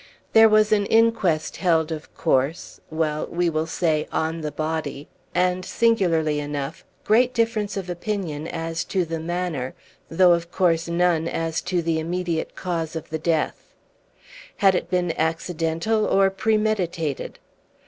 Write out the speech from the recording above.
There was an inquest held of course, well, we will say on the body, and, singularly enough, great difference of opinion as to the manner, though of course none as to the immediate cause of the death. Had it been accidental, or premeditated?